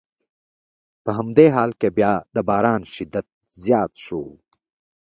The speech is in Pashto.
په همدې حال کې بیا د باران شدت زیات شو.